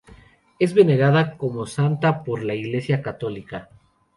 Es venerada como santa por la Iglesia católica.